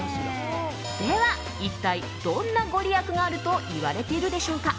では、一体どんなご利益があるといわれているでしょうか。